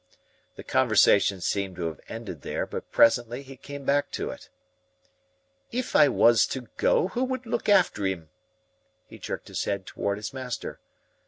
The conversation seemed to have ended there, but presently he came back to it. "If I was to go, who would look after 'im?" He jerked his head toward his master.